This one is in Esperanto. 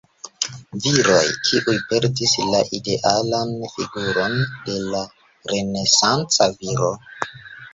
Viroj, kiuj perdis la idealan figuron de la renesanca viro.